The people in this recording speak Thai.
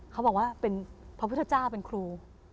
เขาบอกว่าเป็นพระพุทธเจ้าเป็นครู